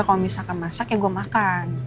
kalau misalkan masak ya gue makan